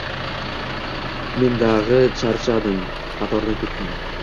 Men dag’i charchadim, qatordan ketdim